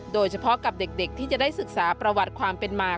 โดยเฉพาะกับเด็กที่จะได้ศึกษาประวัติความเป็นมา